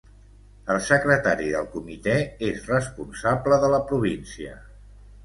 El secretari del comitè és responsable de la província.